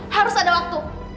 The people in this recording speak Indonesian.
harus ada waktu